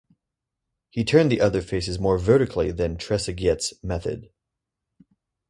He turned the other faces more vertically than Tresaguet's method.